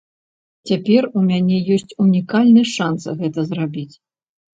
Цяпер у мяне ёсць унікальны шанс гэта зрабіць.